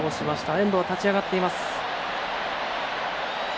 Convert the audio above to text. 遠藤、立ち上がっています。